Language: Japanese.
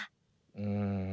うん。